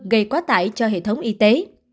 gây quá tải cho hệ thống y tế